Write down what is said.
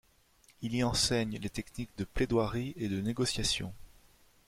Il y enseigne les techniques de plaidoirie et de négociation.